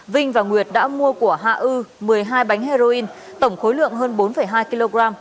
vinh và nguyệt đã mua của hạ ư một mươi hai bánh heroin tổng khối lượng hơn bốn hai kg